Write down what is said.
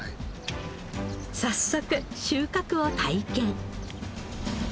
早速収穫を体験。